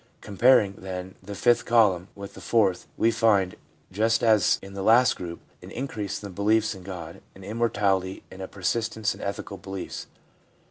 Comparing, then, the fifth column with the fourth, we find, just as in the last group, an increase in the belief in God and Immortality and a persistence in ethical beliefs.